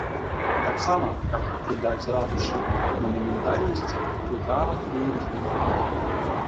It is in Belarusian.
Таксама, каб прыдаць ратушы манументальнасці, пры гавані быў разбіты парк.